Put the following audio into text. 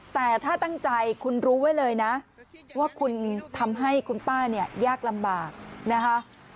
แต่ถ้าตั้งใจคุณรู้ไว้เลยนะว่าคุณทำให้คุณป้าเนี่ยยากลำบากนะคะ